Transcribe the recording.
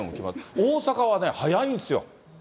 大阪はね、早いんですよ。